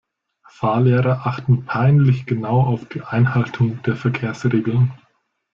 Fahrlehrer achten peinlich genau auf die Einhaltung der Verkehrsregeln.